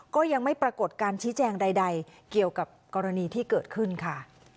ก็ยังไม่ปรากฏการชี้แจงใดเกี่ยวกับกรณีที่เกิดขึ้นค่ะ